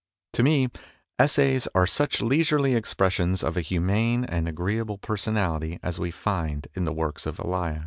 To me, essays are such leisurely expressions of a humane and agree able personality as we find in the works of Elia.